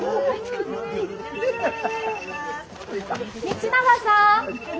道永さん！